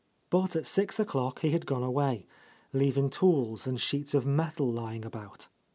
But at six o'clock he had gone away, leaving tools and sheets of metal lying about.